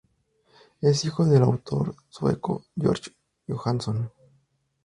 Es hijo del autor sueco George Johansson.